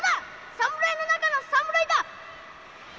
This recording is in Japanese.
侍の中の侍だ‼